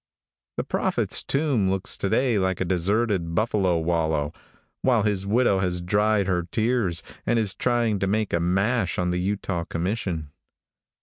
The prophet's tomb looks to day like a deserted buffalo wallow, while his widow has dried her tears, and is trying to make a mash on the Utah commission.